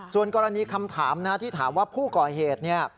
ส่วนกรณีคำถามที่ถามว่าผู้ก่อเหตุเนี่ย